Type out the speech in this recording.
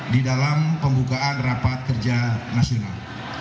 di dalam pembukaan rapat kerja nasional